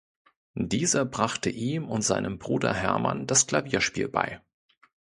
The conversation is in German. Dieser brachte ihm und seinem Bruder Hermann das Klavierspiel bei.